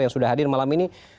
yang sudah hadir malam ini